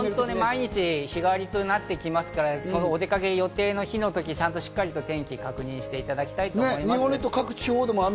日替わりとなってきますから、お出かけ予定の日をしっかり天気を確認していただきたいと思